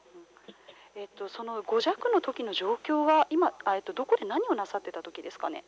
５弱のときの状況は今、どこで何をなさっているんですか。